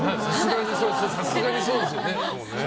さすがにそうですよね。